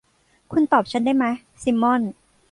คุณตอบฉันได้ไหม ซิมม่อน